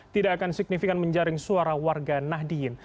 tidak akan signifikan menjaring suara warga nahdiyin